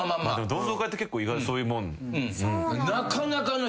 同窓会って結構そういうもん。